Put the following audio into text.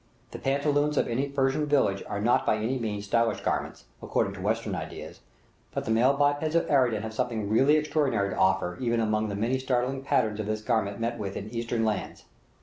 The pantaloons of any Persian village are not by any means stylish garments, according to Western ideas; but the male bipeds of Aradan have something really extraordinary to offer, even among the many startling patterns of this garment met with in Eastern lands.